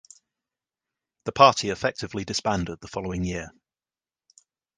The party effectively disbanded the following year.